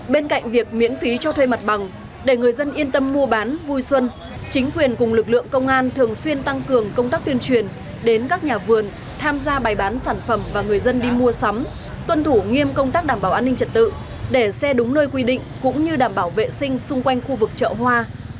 bên cạnh việc miễn phí cho thuê mặt bằng để người dân yên tâm mua bán vui xuân chính quyền cùng lực lượng công an thường xuyên tăng cường công tác tuyên truyền đến các nhà vườn tham gia bài bán sản phẩm và người dân đi mua sắm tuân thủ nghiêm công tác đảm bảo an ninh trật tự để xe đúng nơi quy định cũng như đảm bảo vệ sinh xung quanh khu vực chợ hoa